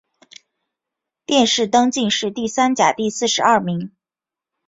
殿试登进士第三甲第四十二名。